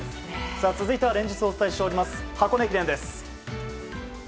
続いては連日お伝えしております箱根駅伝です。